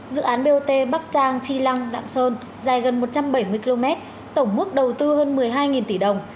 dự án bot bắc giang chi lăng lạng sơn dài gần một trăm bảy mươi km tổng mức đầu tư hơn một mươi hai tỷ đồng